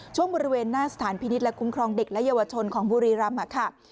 ช่วงบริเวณหน้าสถานพินิษฐ์และคุ้มครองเด็กและเยาวชนของบุรีรำค่ะ